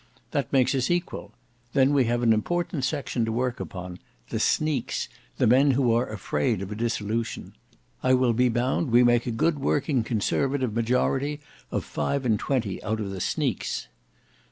That makes us equal. Then we have an important section to work upon—the Sneaks, the men who are afraid of a dissolution. I will be bound we make a good working conservative majority of five and twenty out of the sneaks."